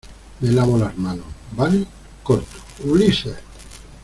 me lavo las manos, ¿ vale? corto. ¡ Ulises!